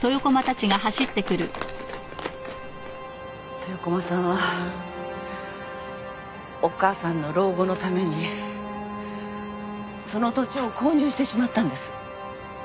豊駒さんはお母さんの老後のためにその土地を購入してしまったんです。